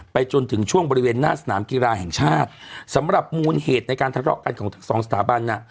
จนถึงช่วงบริเวณหน้าสนามกีฬาแห่งชาติสำหรับมูลเหตุในการทะเลาะกันของทั้งสองสถาบันน่ะ